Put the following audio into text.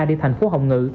đi thành phố hồng ngự